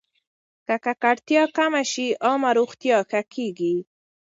که ککړتیا کمه شي، عامه روغتیا ښه کېږي.